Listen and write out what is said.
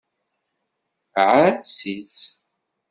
Ɛass-itt.